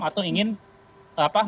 atau ingin apa mengembangkan